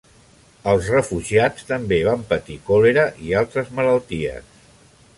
Els refugiats també van patir còlera i altres malalties.